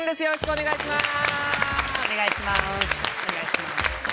お願いします。